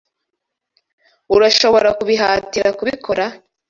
Urashobora kubihatira kubikora?